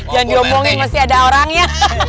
jangan diomongin pasti ada orangnya